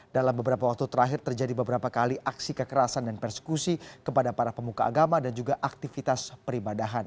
dalam beberapa waktu terakhir terjadi beberapa kali aksi kekerasan dan persekusi kepada para pemuka agama dan juga aktivitas peribadahan